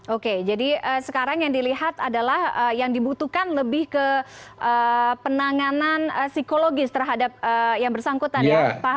oke jadi sekarang yang dilihat adalah yang dibutuhkan lebih ke penanganan psikologis terhadap yang bersangkutan ya pak